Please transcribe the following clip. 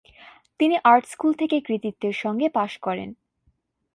তিনি art school থেকে কৃতিত্বের সঙ্গে পাস করেন।